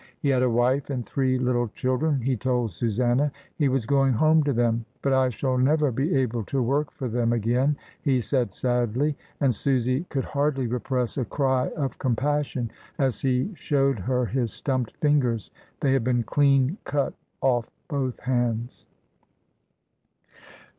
He had a wife and three little children, he told Susanna. He was going home to them, "but I shall never be able to work for them again," he said sadly, and Susy could hardly repress a cry of compassion as he showed her his stumped fingers — they had been clean cut off both hands.